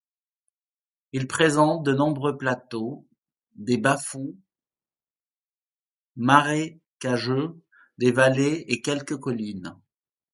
Il présente de nombreux plateaux, des bas-fonds marécageux, des vallées et quelques collines.